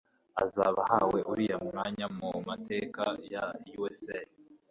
uzaba ahawe uriya mwanya mu mateka ya USA.